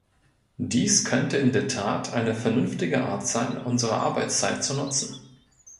Dies könnte in der Tat eine vernünftige Art sein, unsere Arbeitszeit zu nutzen.